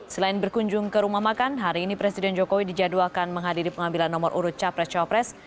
selain berkunjung ke rumah makan hari ini presiden jokowi dijadwalkan menghadiri pengambilan nomor urut capres cawapres